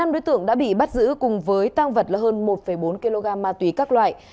năm đối tượng đã bị bắt giữ cùng với tang vật là hơn một bốn kg ma túy các loại